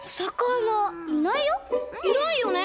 いないよね？